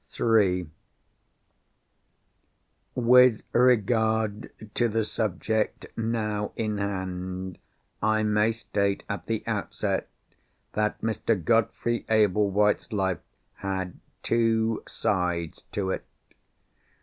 III With regard to the subject now in hand, I may state, at the outset, that Mr. Godfrey Ablewhite's life had two sides to it.